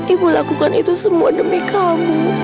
ibu lakukan itu semua demi kamu